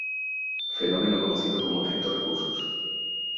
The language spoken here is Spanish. Fenómeno conocido como "efecto recursos".